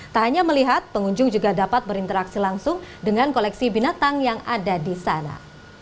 tak hanya melihat pengunjung juga dapat berinteraksi langsung dengan koleksi binatang yang ada di sana